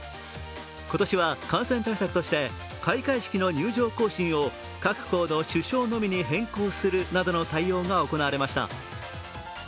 今年は感染対策として開会式の入場行進を各校の主将のみに変更するなどの対応が行われました。